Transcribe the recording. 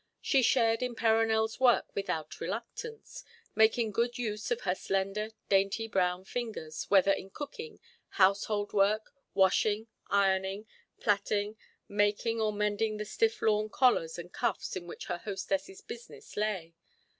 She shared in Perronel's work without reluctance, making good use of her slender, dainty brown fingers, whether in cooking, household work, washing, ironing, plaiting, making or mending the stiff lawn collars and cuffs in which her hostess's business lay.